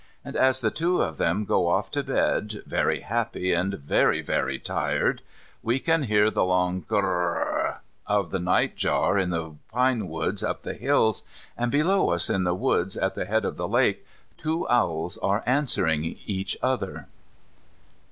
And as the two of them go off to bed, very happy and very, very tired, we can hear the long kr r r r r r of the nightjar in the pinewoods up the hills, and below us in the woods at the head of the lake two owls are answering each other.